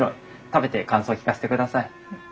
食べて感想聞かせてください。